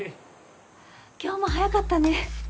今日も早かったね